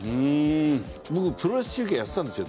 僕プロレス中継やってたんですよ